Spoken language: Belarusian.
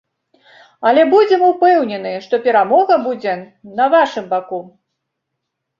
Але будзем упэўнены, што перамога будзе на вашым баку!